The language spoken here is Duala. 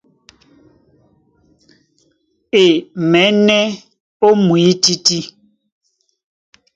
E maɛ̌nɛ́ ó mwǐtítí.